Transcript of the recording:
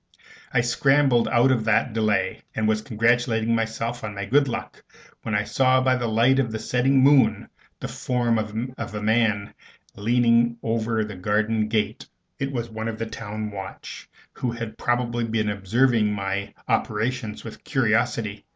I scrambled out of that without delay, and was congratulating myself on my good luck, when I saw by the light of the setting moon the form of a man leaning over the garden gate. It was one of the town watch, who had probably been observing my operations with curiosity.